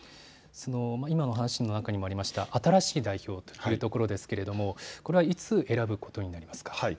今の話の中にもありました、新しい代表というところですがこれはいつ選ぶことになりますか。